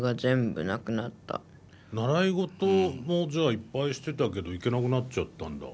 習い事もじゃあいっぱいしてたけど行けなくなっちゃったんだ。